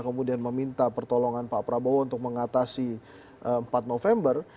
kemudian meminta pertolongan pak prabowo untuk mengatasi empat november